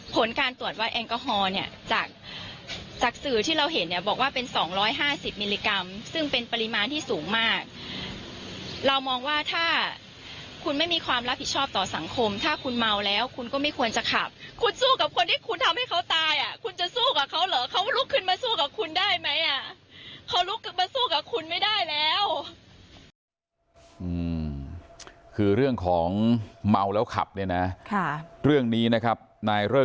ผลการตรวจว่าแอลกอฮอล์เนี่ยจากจากสื่อที่เราเห็นเนี่ยบอกว่าเป็นสองร้อยห้าสิบมิลลิกรัมซึ่งเป็นปริมาณที่สูงมากเรามองว่าถ้าคุณไม่มีความรับผิดชอบต่อสังคมถ้าคุณเมาแล้วคุณก็ไม่ควรจะขับคุณสู้กับคนที่คุณทำให้เขาตายอ่ะคุณจะสู้กับเขาเหรอเขาลุกขึ้นมาสู้กับคุณได้ไหมอ่ะเขาลุ